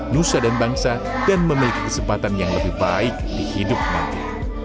nusa dan bangsa dan memiliki kesempatan yang lebih baik di hidup nanti